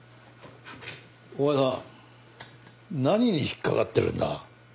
お前さんは何に引っ掛かってるんだ？